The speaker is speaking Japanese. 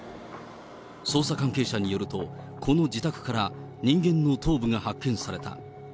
捜査関係者によると、この自宅から人間の頭部が発見された。